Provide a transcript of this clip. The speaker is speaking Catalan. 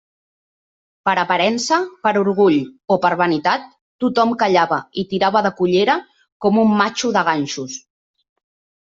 Per aparença, per orgull o per vanitat, tothom callava i tirava de collera com un matxo de ganxos.